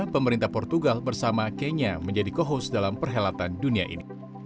pemerintah portugal bersama kenya menjadi co host dalam perhelatan dunia ini